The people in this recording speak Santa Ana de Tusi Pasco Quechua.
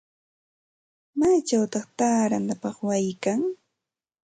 ¿Maychawta taaranapaq wayi kan?